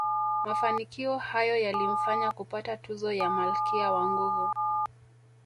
Mafanikio hayo yalimfanya kupata tuzo ya malkia wa nguvu